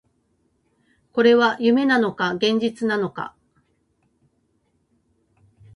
これは夢なのか、現実なのか